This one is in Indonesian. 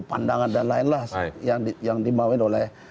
pandangan dan lain lain yang dimauin oleh